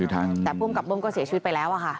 แต่ภูมิกับเบิ้มก็เสียชีวิตไปแล้วอะค่ะ